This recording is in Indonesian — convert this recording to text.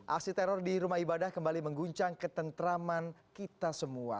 aksi teror di rumah ibadah kembali mengguncang ketentraman kita semua